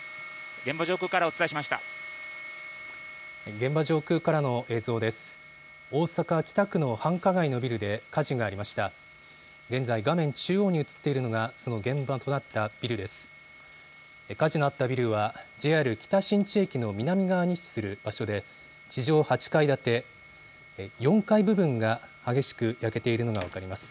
現場上空からの映像です。